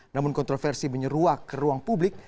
namun kontroversi menyeruak ke ruang publik